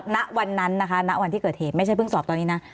ณวันนั้นนะคะณวันที่เกิดเหตุไม่ใช่เพิ่งสอบตอนนี้นะ